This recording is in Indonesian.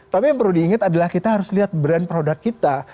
tapi yang perlu diingat adalah kita harus lihat brand produk kita